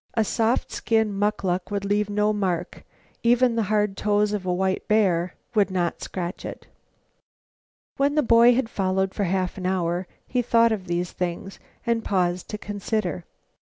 A soft skin "muckluck" would leave no mark. Even the hard toes of a white bear would not scratch it. When the boy had followed for a half hour, he thought of these things, and paused to consider.